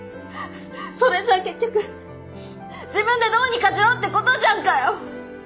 それじゃあ結局自分でどうにかしろってことじゃんかよ！